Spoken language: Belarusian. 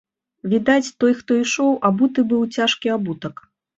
Відаць, той, хто ішоў, абуты быў у цяжкі абутак.